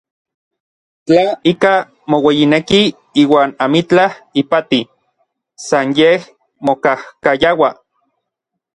Tla ikaj moueyineki iuan amitlaj ipati, san yej mokajkayaua.